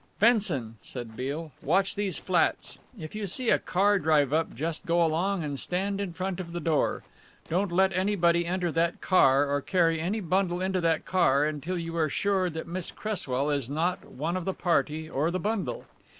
"Fenson," said Beale, "watch these flats. If you see a car drive up just go along and stand in front of the door. Don't let anybody enter that car or carry any bundle into that car until you are sure that Miss Cresswell is not one of the party or the bundle.